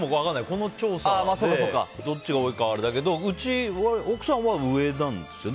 この調査でどっちが多いかはあれだけどうちは、奥さんは上なんですよ。